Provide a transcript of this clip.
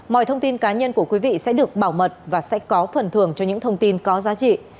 mọi thông tin cá nhân của quý vị sẽ được bảo mật và sẽ có phần thường cho những thông tin có giá trị